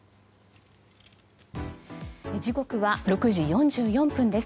時刻は６時４４分です。